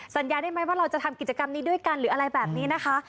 สัญญาได้ไหมว่าเราจะทำกิจกรรมนี้ด้วยกันหรืออะไรแบบนี้นะคะ